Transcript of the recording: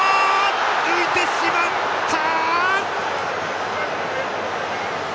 浮いてしまった。